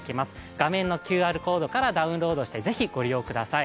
画面のＱＲコードからダウンロードして是非チェックしてください。